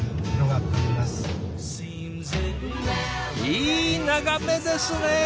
いい眺めですね！